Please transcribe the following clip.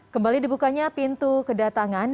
kembali dibukanya pintu kedatangan